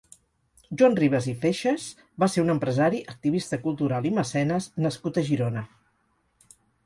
Joan Ribas i Feixas va ser un empresari, activista cultural i mecenes nascut a Girona.